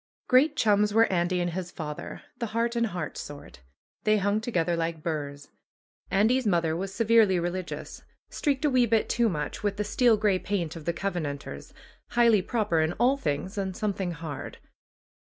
Great chums were Andy and his father, the heart in heart sort. They hung together like burrs. Andy's mother was severely religious, streaked a wee bit too much with the steel gray paint of the Covenanters, highly proper in all things and something hard.